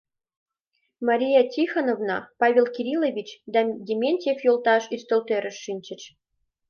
Мария Тихоновна, Павел Кириллович да Дементьев йолташ ӱстелтӧрыш шинчыч.